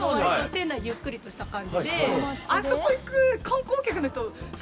店内ゆっくりとした感じで。